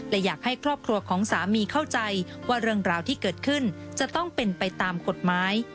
และอยากให้ครอบครัวของสามีเข้าใจว่าเรื่องราวที่เกิดขึ้นจะต้องเป็นไปตามกฎหมาย